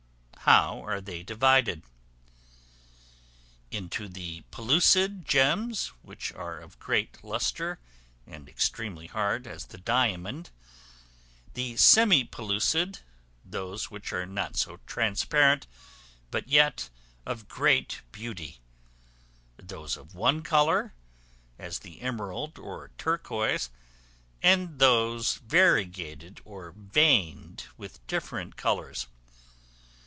How are they divided? Into the pellucid gems, which are of great lustre, and extremely hard, as the diamond; the semi pellucid, those which are not so transparent, but yet of great beauty; those of one color, as the emerald or turquois; and those variegated or veined with different colors.